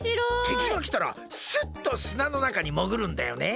てきがきたらスッとすなのなかにもぐるんだよね。